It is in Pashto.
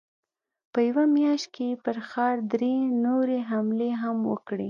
په يوه مياشت کې يې پر ښار درې نورې حملې هم وکړې.